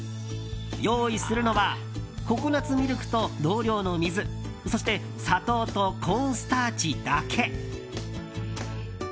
用意するのはココナツミルクと同量の水そして砂糖とコーンスターチだけ。